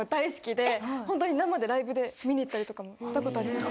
ホントに生でライブで見に行ったりとかもしたことあります。